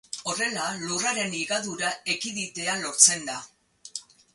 Horrela lurraren higadura ekiditea lortzen da.